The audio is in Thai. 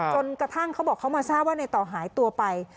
จนกระทั่งเขาบอกเขามาทราบว่าในต่อหายตัวไป